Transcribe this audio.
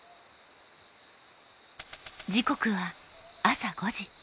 時刻は朝５時。